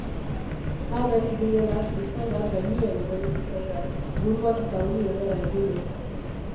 Han ari ginela kristal bat gainian erori zitzaidan, buruan zauri ederra eginez.